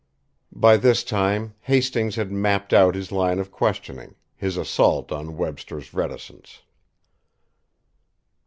By this time, Hastings had mapped out his line of questioning, his assault on Webster's reticence.